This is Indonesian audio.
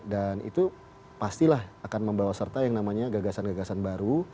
dan itu pastilah akan membawa serta yang namanya gagasan gagasan baru